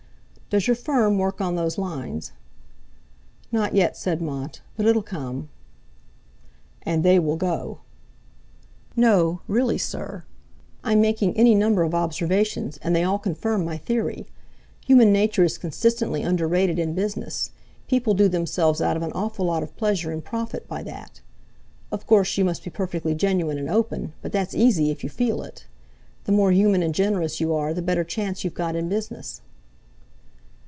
"Does your firm work on those lines?" "Not yet," said Mont, "but it'll come." "And they will go." "No, really, sir. I'm making any number of observations, and they all confirm my theory. Human nature is consistently underrated in business, people do themselves out of an awful lot of pleasure and profit by that. Of course, you must be perfectly genuine and open, but that's easy if you feel it. The more human and generous you are the better chance you've got in business."